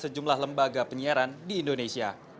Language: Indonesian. sejumlah lembaga penyiaran di indonesia